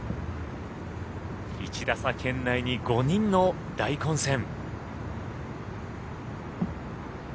１打差圏内に５人の大混戦。